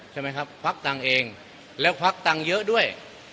ใช่ไหมครับพักตังค์เองแล้วควักตังค์เยอะด้วย